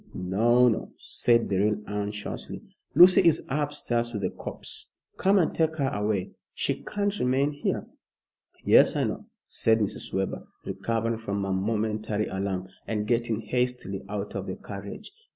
"No! no!" said Beryl, anxiously. "Lucy is upstairs with the corpse. Come and take her away. She can't remain here." "Yes, I know," said Mrs. Webber, recovering from her momentary alarm, and getting hastily out of the carriage.